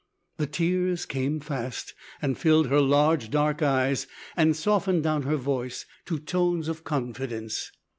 The tears came fast, and filled her large dark eyes and softened down her voice to tones of confidence.